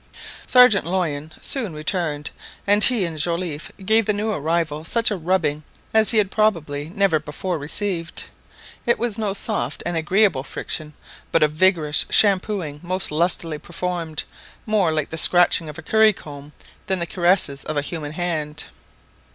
Sergeant Loin soon returned, and he and Joliffe gave the new arrival such a rubbing as he had probably never before received. It was no soft and agreeable friction, but a vigorous shampooing most lustily performed, more like the scratching of a curry comb than the caresses of a human hand.